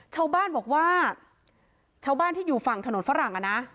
ชาวบ้านบอกว่าชาวบ้านที่อยู่ฝั่งถนนฝรั่งอ่ะนะ